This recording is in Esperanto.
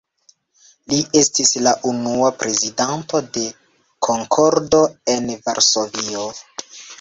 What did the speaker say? Li estis la unua prezidanto de „Konkordo“ en Varsovio.